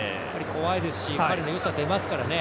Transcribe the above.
怖いですし、彼の良さ出ますからね。